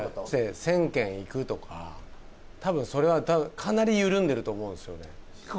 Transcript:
「１０００軒行く」とか多分それはかなり緩んでると思うんすよね